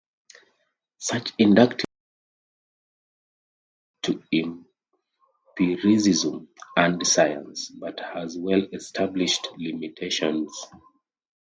Such inductive reasoning is important to empiricism and science, but has well established limitations.